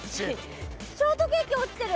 ショートケーキ落ちてる！